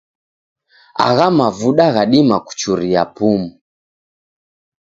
Agha mavuda ghadima kuchuria pumu.